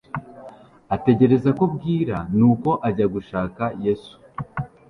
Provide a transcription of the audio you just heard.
ategereza ko bwira nuko ajya gushaka Yesu.